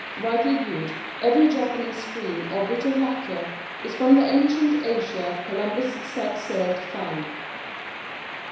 Rightly viewed, every Japanese screen or bit of lacquer is from the Ancient Asia Columbus set sail to find.